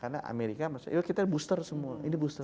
karena amerika kita booster semua ini booster